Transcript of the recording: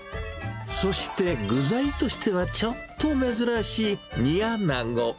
そして、具材としてはちょっと珍しい、煮あなご。